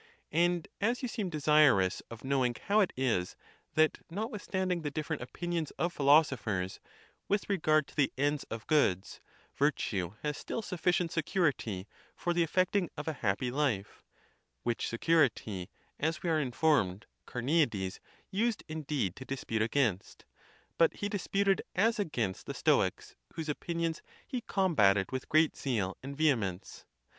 And as you seem desirous of know ing how it is that, notwithstanding the different opinions of philosophers with regard to the ends of goods, virtue has still sufficient security for the effecting of a happy life —which security, as we are informed, Carneades used in deed to dispute against; but he disputed as against the 9 194 —C. THE TUSCULAN DISPUTATIONS. Stoics, whose opinions he combated with great zeal and vehemence.